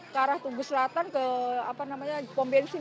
ke arah tunggu selatan ke apa namanya pombensin